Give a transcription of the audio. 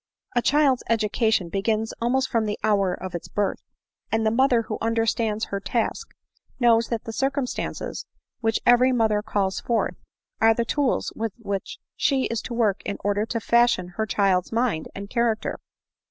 A child's education begins almost from the hour of its birth ; and the mother who understands her task, knows that the circumstances which every mo ment calls forth, are the tools with which she is to work in order to fashion her child's mind and character.